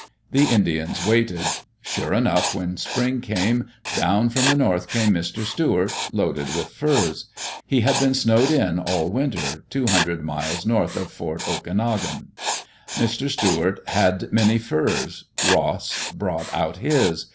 The Indians waited. Sure enough, when spring came, down from the north came Mr. Stuart, loaded with furs. He had been snowed in all winter, two hundred miles north of Fort Okanogan. Mr. Stuart had many furs. Ross brought out his.